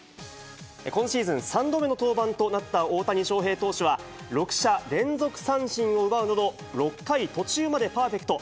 今シーズン３度目の登板となった大谷翔平投手は、６者連続三振を奪うなど、６回途中までパーフェクト。